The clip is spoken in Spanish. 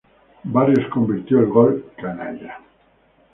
Barrios convirtió el gol "canalla".